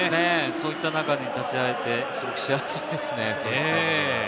そういった中に立ち会えて、すごく幸せですね。